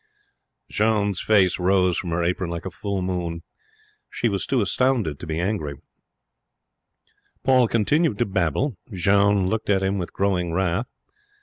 Jeanne's face rose from her apron like a full moon. She was too astounded to be angry. Paul continued to babble. Jeanne looked at him with growing wrath.